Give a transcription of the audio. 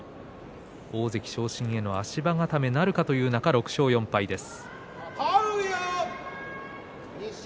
大関昇進への足場固めなるかという中、６勝４敗です。